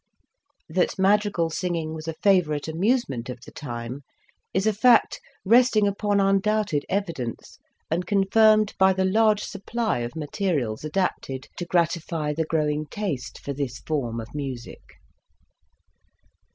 That madrigal singing was a favourite amusement of the time is a fact resting upon undoubted evidence and confirmed by the large supply of materials adapted to gratify the growing taste for this form of music.